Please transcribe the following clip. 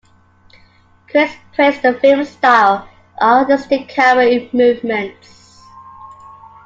Critics praised the film's style and artistic camera movements.